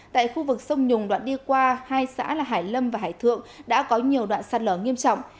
tại khu vực sông nhùng đoạn đi qua hai xã là hải lâm và hải thượng đã có nhiều đoạn sạt lở nghiêm trọng